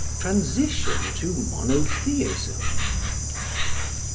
Transition to Monotheism.